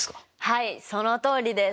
はいそのとおりです。